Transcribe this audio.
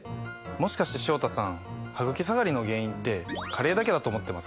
もしかして潮田さんハグキ下がりの原因って加齢だけだと思ってます？